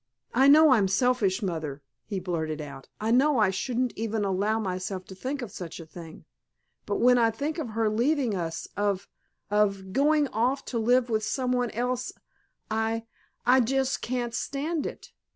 "I know I'm selfish, Mother," he blurted out; "I know I shouldn't even allow myself to think of such a thing. But when I think of her leaving us—of—of going off to live with some one else—I—I just can't stand it."